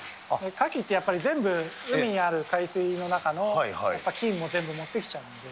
カキってやっぱり、全部、海にある海水の中の菌も全部持ってきちゃうんで。